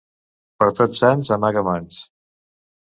Per Tots Sants, amaga mans.